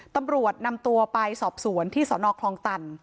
ตำรวจนำตัวไปสอบสวนที่สนคลองตัน